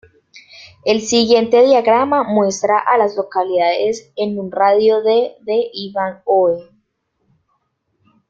El siguiente diagrama muestra a las localidades en un radio de de Ivanhoe.